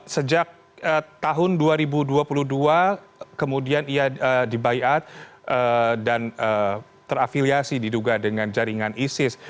sejak tahun dua ribu dua puluh dua kemudian ia dibayat dan terafiliasi diduga dengan jaringan isis